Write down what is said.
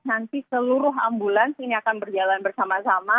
nanti seluruh ambulans ini akan berjalan bersama sama